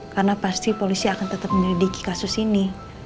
karena pasti polisi akan tetap menelidiki kasus ini